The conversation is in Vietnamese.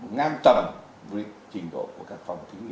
ngang tầm với trình độ của các phòng thí nghiệm